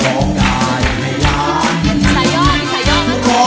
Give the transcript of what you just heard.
ร้องได้ในแม่งที่สองแบบนี้ค่ะ